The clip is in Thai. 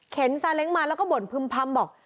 เข็นซาเล้งมาแล้วก็บ่นพึมพัมบอก